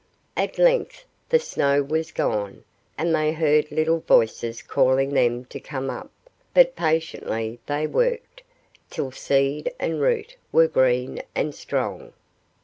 At length the snow was gone, and they heard little voices calling them to come up; but patiently they worked, till seed and root were green and strong.